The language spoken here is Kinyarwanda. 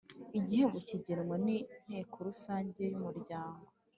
Igihembo kigenwa n inteko rusange y umuryango